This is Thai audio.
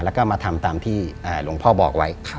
แล้วก็มาทำตามที่หลวงพ่อบอกไว้